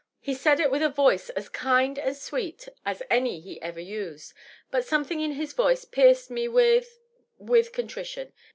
*^He said it with a voice as kind and sweet as any that he ever used. But something in his voice pierced me with — ^with contrition.